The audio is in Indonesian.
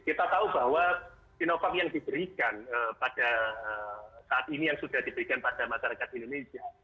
kita tahu bahwa sinovac yang diberikan pada saat ini yang sudah diberikan pada masyarakat indonesia